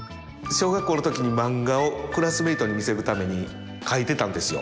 小学校の時に漫画をクラスメートに見せるために描いてたんですよ。